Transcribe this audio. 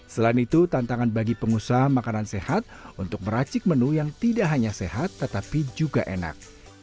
selain itu tantangan bagi pengusaha makanan sehat untuk meracik menu yang tidak hanya sehat tetapi juga enak